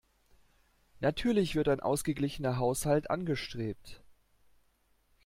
Natürlich wird ein ausgeglichener Haushalt angestrebt.